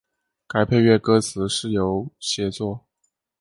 该配乐歌词是由写作。